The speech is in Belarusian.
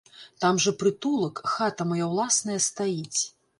Там жа прытулак, хата мая ўласная стаіць.